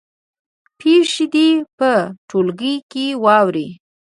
پېښې دې په ټولګي کې واوروي.